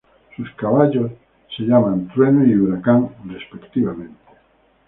Sus caballos se llaman Trueno y Huracán, respectivamente.